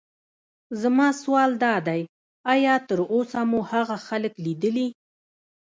زما سوال دادی: ایا تراوسه مو هغه خلک لیدلي.